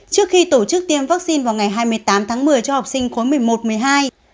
trước khi tổ chức tiêm vaccine vào ngày hai mươi tám tháng một mươi cho học sinh khối một mươi một một mươi hai